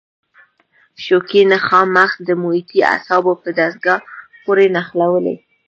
شوکي نخاع مغز د محیطي اعصابو په دستګاه پورې نښلوي.